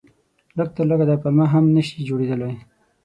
لږ تر لږه دا پلمه هم نه شي جوړېدلای.